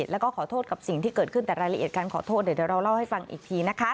แล้วก็ขอโทษกับสิ่งที่เกิดขึ้นแต่รายละเอียดการขอโทษเดี๋ยวเราเล่าให้ฟังอีกทีนะคะ